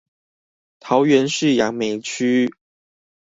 桃園市楊梅區